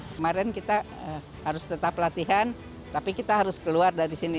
kemarin kita harus tetap latihan tapi kita harus keluar dari sini